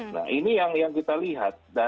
nah ini yang kita lihat